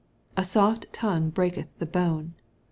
" A soft tongue breaketh the bone."